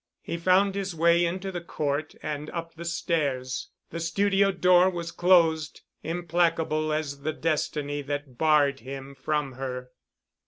He found his way into the court and up the stairs. The studio door was closed, implacable as the destiny that barred him from her.